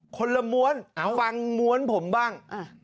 คนละม้วนฟังม้วนผมบ้าง